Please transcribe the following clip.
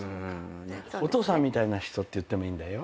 お父さんみたいな人って言ってもいいんだよ。